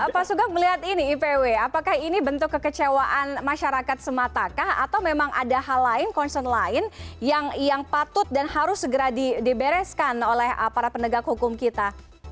pak sugeng melihat ini ipw apakah ini bentuk kekecewaan masyarakat sematakah atau memang ada hal lain concern lain yang patut dan harus segera dibereskan oleh para penegak hukum kita